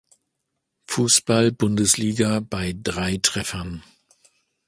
Fußball-Bundesliga bei drei Treffern.